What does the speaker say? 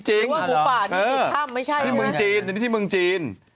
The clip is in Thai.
เพราะว่าหมูป่านี่ติดถ้ำไม่ใช่ที่เมืองจีนอันนี้ที่เมืองจีน